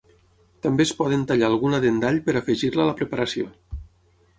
També es poden tallar alguna dent d'all per afegir-la a la preparació.